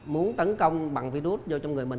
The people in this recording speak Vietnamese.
muốn tấn công bằng virus vô trong người mình